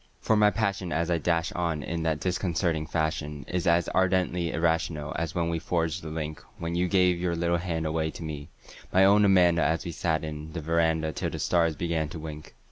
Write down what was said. For my passion as I dash on in that disconcerting fashion Is as ardently irrational as when we forged the link When you gave your little hand away to me, my own Amanda An we sat 'n the veranda till the stars began to wink.